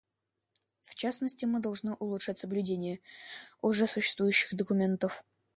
В частности, мы должны улучшать соблюдение уже существующих документов.